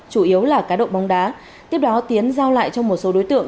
chủ yếu là cá độ bóng đá tiếp đó tiến giao lại cho một số đối tượng